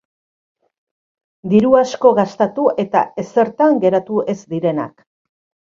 Diru asko gastatu eta ezertan geratu ez direnak.